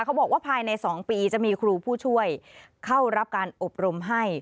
เขาบอกว่าภายใน๒ปีจะมีครูผู้ช่วยเข้ารับการอบรมให้